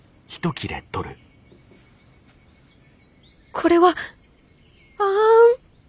これはあん！